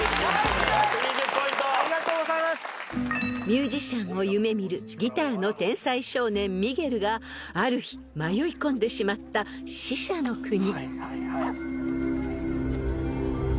［ミュージシャンを夢見るギターの天才少年ミゲルがある日迷い込んでしまった死者の国］